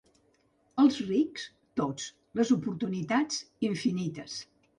Els riscs, tots; les oportunitats, infinites.